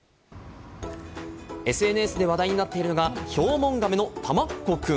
ＳＮＳで話題になっているのがヒョウモンガメのたまっこくん。